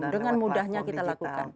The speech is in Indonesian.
dengan mudahnya kita lakukan